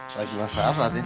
lagi masak apa de